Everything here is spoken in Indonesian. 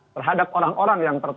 terhadap orang orang yang